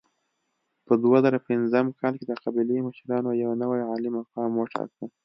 په دوه زره پنځم کال کې د قبیلې مشرانو یو نوی عالي مقام وټاکه.